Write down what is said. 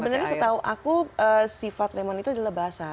sebenarnya setahu aku sifat lemon itu adalah basah